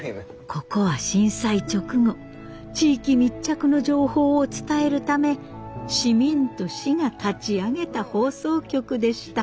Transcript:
ここは震災直後地域密着の情報を伝えるため市民と市が立ち上げた放送局でした。